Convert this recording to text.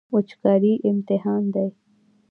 وچکالي امتحان دی.